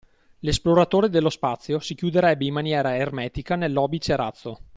L’esploratore dello spazio si chiuderebbe in maniera ermetica nell’obice-razzo